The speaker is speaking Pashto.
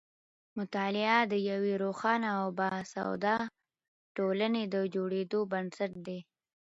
مطالعه د یوې روښانه او باسواده ټولنې د جوړېدو بنسټ دی.